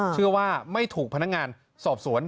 เชื่อว่าไม่ถูกพนักงานสอบสวน